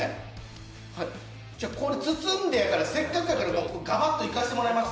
これ、包んでやから、せっかくやからガバッといかせてもらいます。